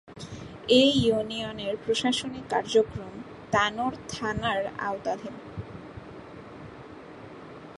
এ ইউনিয়নের প্রশাসনিক কার্যক্রম তানোর থানার আওতাধীন।